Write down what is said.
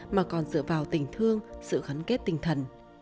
mà còn dựa vào tình thương sự gắn kết tinh thần